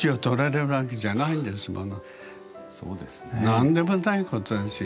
何でもないことですよ。